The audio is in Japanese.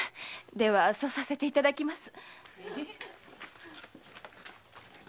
ではそうさせていただきます。